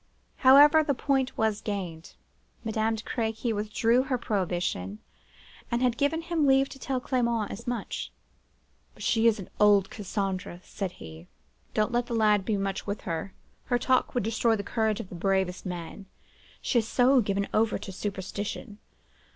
However, the point was gained; Madame de Crequy withdrew her prohibition, and had given him leave to tell Clement as much. "'But she is an old Cassandra,' said he. 'Don't let the lad be much with her; her talk would destroy the courage of the bravest man; she is so given over to superstition.